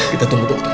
kita tunggu dokter